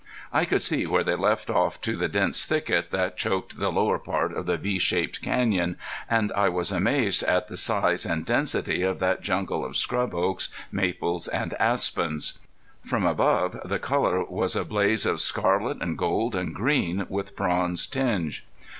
I could see where they left off to the dense thicket that choked the lower part of the v shaped canyon. And I was amazed at the size and density of that jungle of scrub oaks, maples and aspens. From above the color was a blaze of scarlet and gold and green, with bronze tinge.